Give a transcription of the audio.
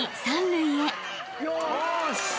よし！